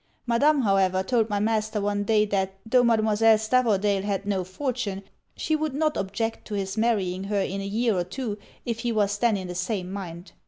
Madame, however, told my master one day, that tho' Mademoiselle Stavordale had no fortune, she would not object to his marrying her in a year or two if he was then in the same mind.